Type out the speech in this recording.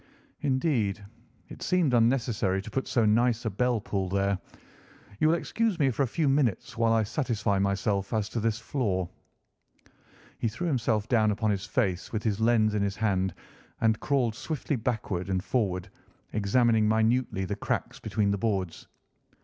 "Indeed, it seemed unnecessary to put so nice a bell pull there. You will excuse me for a few minutes while I satisfy myself as to this floor." He threw himself down upon his face with his lens in his hand and crawled swiftly backward and forward, examining minutely the cracks between the boards.